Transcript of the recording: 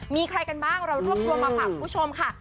มีใครกันบ้างเรารวบรวมมาฝากคุณผู้ชมค่ะ